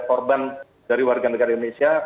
korban dari warga negara indonesia